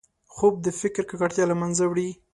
خوب د فکر ککړتیا له منځه وړي